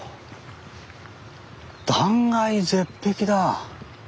断崖絶壁だ。